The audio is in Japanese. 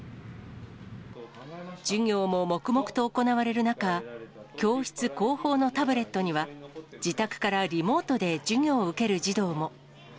授業も黙々と行われる中、教室後方のタブレットには、自宅からリモートで授業を受ける児童も。